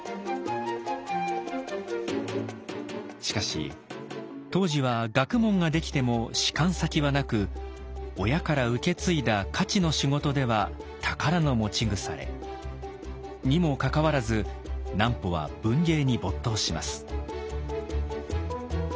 しかし当時は学問ができても仕官先はなく親から受け継いだ徒の仕事では宝の持ち腐れ。にもかかわらず南畝は文芸に没頭します。